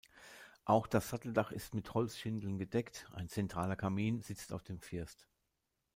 Auch das Satteldach ist mit Holzschindeln gedeckt; ein zentraler Kamin sitzt auf dem First.